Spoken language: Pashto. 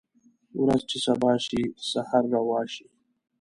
ورځ چې سبا شي سحر روا شي